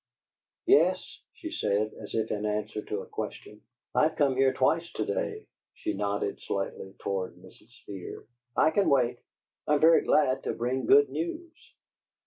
"Yes," she said, as if in answer to a question, "I have come here twice to day." She nodded slightly toward Mrs. Fear. "I can wait. I am very glad you bring good news."